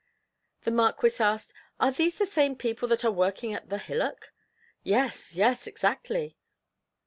The Marquis asked: "Are these the same people that are working at the hillock?" "Yes, yes, exactly."